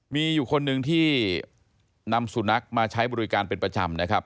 มีอยู่คนหนึ่งที่นำสุนัขมาใช้บริการเป็นประจำนะครับ